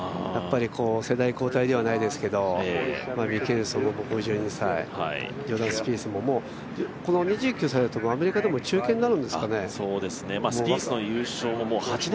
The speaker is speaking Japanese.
世代交代ではないですけど、ミケルソンも５２歳、ジョーダン・スピースも２９歳だとアメリカだと中堅になるんですかね。